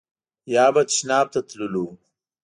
یا به تشناب ته تللو.